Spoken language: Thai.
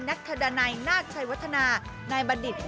นักบรรณาในนาคชัยวัฒนาในบริษลักษณะ